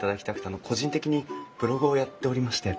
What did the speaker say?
あの個人的にブログをやっておりまして。